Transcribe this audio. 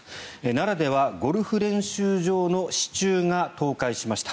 奈良ではゴルフ練習場の支柱が倒壊しました。